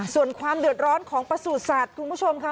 ส่วนความเดือดร้อนของประสูจนสัตว์คุณผู้ชมค่ะ